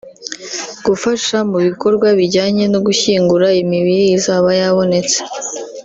gufasha mu bikorwa bijyanye no gushyingura imibiri izaba yabonetse